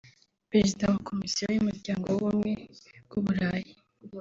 Perezida wa Komisiyo y’Umuryango w’Ubumwe bw’u Burayi